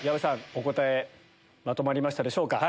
お答えまとまりましたでしょうか？